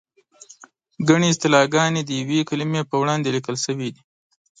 ګڼې اصطلاحګانې د یوې کلمې په وړاندې لیکل شوې دي.